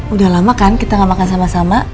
udah lama kan kita gak makan sama sama